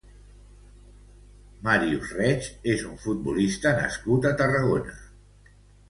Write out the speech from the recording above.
Mario Reig és un futbolista nascut a Tarragona.